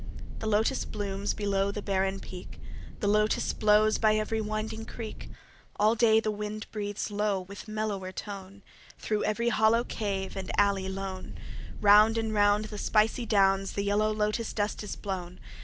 8 The Lotos blooms below the barren peak: The Lotos blows by every winding creek: All day the wind breathes low with mellower tone: Thro' every hollow cave and alley lone Round and round the spicy downs the yellow Lotos dust is blown.